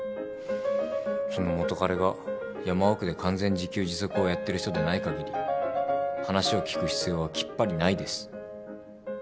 その元カレが山奥で完全自給自足をやってる人でない限り話を聞く必要はきっぱりないです。